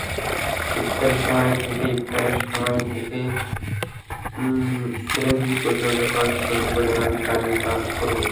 ইফতারের সময় থেকেইফতারের সময় থেকে সেহ্রি পর্যন্ত সময়ে পর্যাপ্ত পরিমাণ পানি পান করুন।